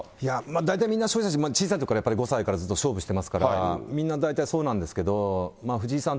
大体みんなそうです、小さいころから、５歳とか、ずっと勝負してますから、みんな大体そうなんですけど、藤井さん